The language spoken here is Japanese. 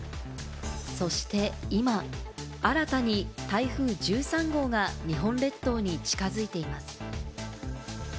そして今、新たに台風１３号が日本列島に近づいています。